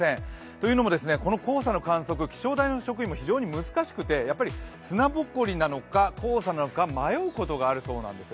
というのもこの黄砂の観測、気象台の職員も難しくて砂ぼこりなのか黄砂なのか迷うことがあるそうなんです。